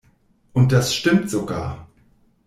Und das stimmt sogar.